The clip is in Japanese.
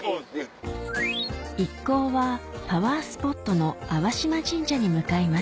一行はパワースポットの淡島神社に向かいます